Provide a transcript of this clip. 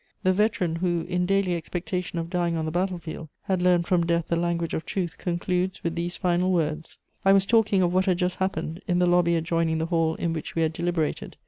The veteran who, in daily expectation of dying on the battlefield, had learned from death the language of truth, concludes with these final words: "I was talking of what had just happened, in the lobby adjoining the hall in which we had deliberated.